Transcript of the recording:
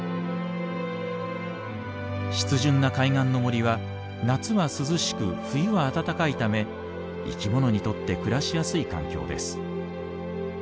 湿潤な海岸の森は夏は涼しく冬は暖かいため生き物にとって暮らしやすい環境です。